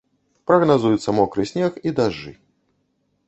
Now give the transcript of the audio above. Прагназуюцца мокры снег і дажджы.